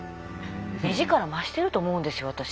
目力増してると思うんですよ私。